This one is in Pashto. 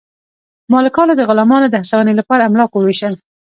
مالکانو د غلامانو د هڅونې لپاره املاک وویشل.